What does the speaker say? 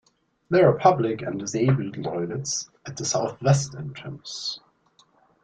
There are public and disabled toilets at the south-west entrance.